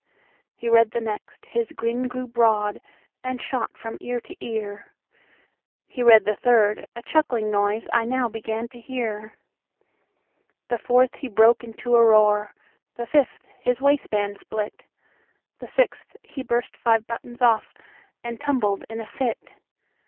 He read the next; the grin grew broad, And shot from ear to ear; He read the third; a chuckling noiseI now began to hear. The fourth; he broke into a roar; The fifth; his waistband split; The sixth; he burst five buttons off, And tumbled in a fit.